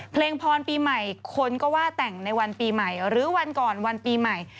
เพลงพรปีใหม่คนก็ว่าแต่งในวันปีใหม่หรือวันก่อนวันปีใหม่